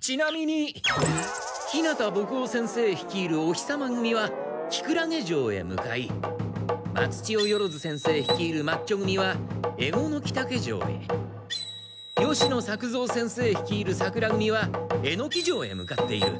ちなみに日向墨男先生率いるおひさま組はキクラゲ城へ向かい松千代万先生率いるマッチョ組はエゴノキタケ城へ吉野作造先生率いるさくら組はエノキ城へ向かっている。